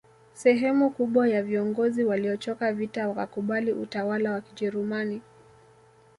Sehemu kubwa ya viongozi waliochoka vita wakakubali utawala wa kijerumani